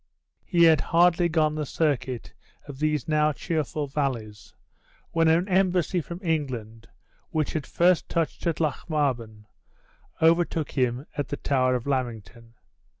He had hardly gone the circuit of these now cheerful valleys, when an embassy from England, which had first touched at Lochmaben, overtook him at the Tower of Lammington.